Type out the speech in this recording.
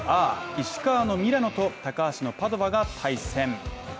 石川のミラノと高橋のパドヴァが対戦。